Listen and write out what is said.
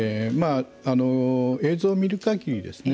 映像を見る限りですね